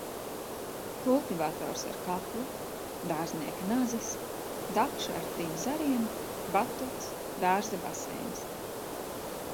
Kultivators ar kapli. Dārznieka nazis. Dakša ar trim zariem. Batuts, dārza baseins.